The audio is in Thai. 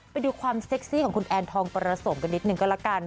ไปดูความเซ็กซี่ของคุณแอนทองประสมกันนิดนึงก็ละกัน